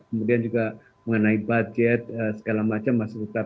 kemudian juga mengenai budget segala macam masih tetap